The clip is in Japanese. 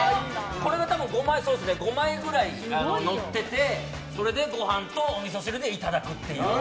これが多分５枚ぐらいのっててそれでご飯とおみそ汁でいただくという。